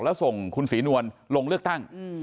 แล้วส่งคุณศรีนวลลงเลือกตั้ง